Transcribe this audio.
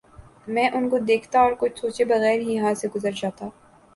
میں ان کو دیکھتا اور کچھ سوچے بغیر ہی یہاں سے گزر جاتا